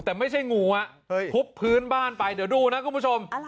แต่ไม่ใช่งูทุบพื้นบ้านไปเดี๋ยวดูนะคุณผู้ชม